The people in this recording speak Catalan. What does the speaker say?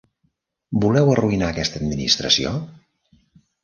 Voleu arruïnar aquesta administració?